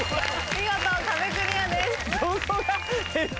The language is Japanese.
見事壁クリアです。